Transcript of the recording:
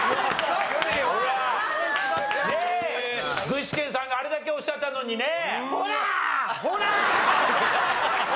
具志堅さんがあれだけおっしゃったのにね。